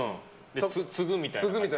つぐみたいな。